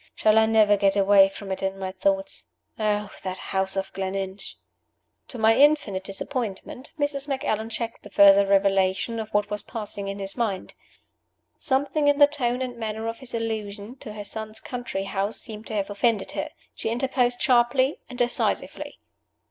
"Shall I never get away from it in my thoughts? Oh, that house of Gleninch!" To my infinite disappointment, Mrs. Macallan checked the further revelation of what was passing in his mind. Something in the tone and manner of his allusion to her son's country house seemed to have offended her. She interposed sharply and decisively.